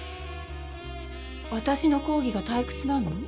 私の講義が退屈なの？